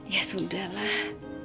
ya sudah lah